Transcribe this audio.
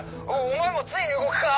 お前もついに動くか！